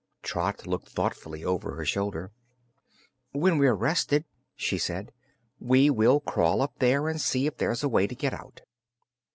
Trot looked thoughtfully over her shoulder. "When we're rested," she said, "we will crawl up there and see if there's a way to get out."